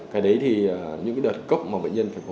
cái đấy thì những đợt cốc mà bệnh nhân phải